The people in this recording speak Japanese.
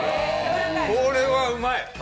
これはうまい。